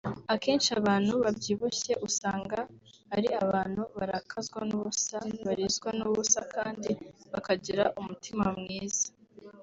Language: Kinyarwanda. “Akenshi abantu babyibushye usanga ari abantu barakazwa n’ubusa barizwa n’ubusa kandi bakagira umutima mwiza